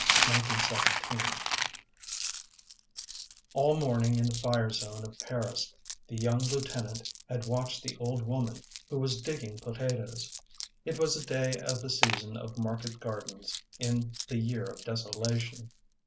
Potatoes and War All morning in the fire zone of Paris the young lieutenant had watched the old woman who was digging i>otatoes. It was a day of the season of market gardens in the year of desolation.